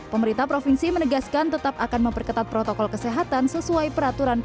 pemerintah provinsi menegaskan tetap akan memperketat protokol kesehatan sesuai peraturan